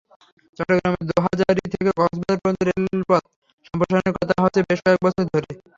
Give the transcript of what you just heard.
চট্টগ্রামের দোহাজারী থেকে কক্সবাজার পর্যন্ত রেলপথ সম্প্রসারণের কথা হচ্ছে বেশ কয়েক বছর ধরে।